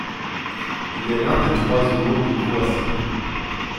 Il est l'un des trois zoos de Croatie.